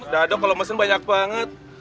dado kalau mesin banyak banget